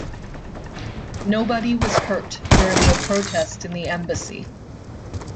Nobody was hurt during the protests in the embassy.